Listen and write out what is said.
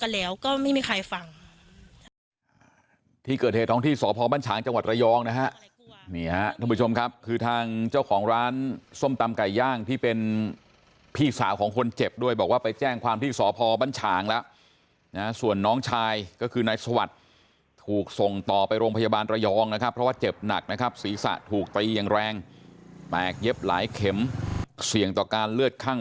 แล้วอีกอย่างคือเราทั้งขอร้องทางยกมันว่าถ้าจะกราบเท้ากันแล้วก็ไม่มีใครฟัง